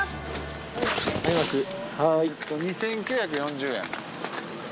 ２，９４０円。